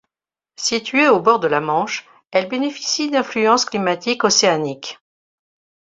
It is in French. Située au bord de la Manche, elle bénéficie d'influences climatiques océaniques.